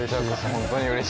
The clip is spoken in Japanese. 本当に。